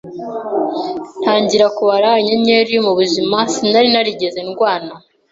ntangira kubara inyenyeri, mu buzima sinari narigeze ndwana